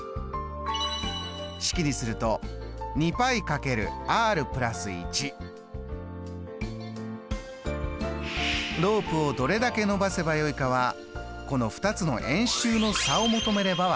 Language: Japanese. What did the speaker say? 式にするとロープをどれだけ伸ばせばよいかはこの２つの円周の差を求めれば分かります。